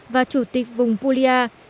và chủ tịch vùng puglia